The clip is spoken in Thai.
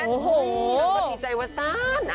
ก็ดีใจว่าสั้น